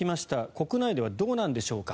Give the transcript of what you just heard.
国内ではどうなんでしょうか。